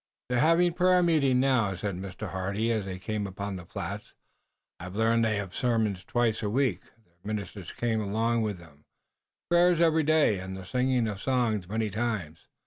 "They're having prayer meeting now," said Mr. Hardy, as they came upon the flats. "I've learned they have sermons twice a week their ministers came along with them prayers every day, and the singing of songs many times.